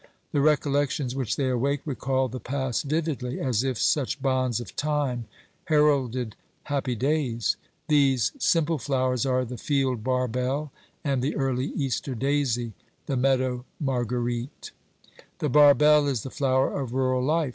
The recollections which they awake recall the past vividly, as if such bonds of time heralded happy days. These simple flowers are the field barbel and the early Easter daisy, the meadow marguerite. The barbel is the flower of rural life.